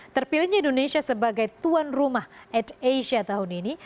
terpilihnya indonesia sebagai tuan rumah at asia tahun ini